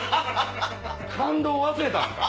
感動忘れたんか？